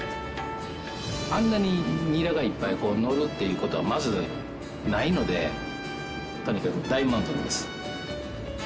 あんなにニラがいっぱいのるっていう事はまずないのでとにかく大満足です。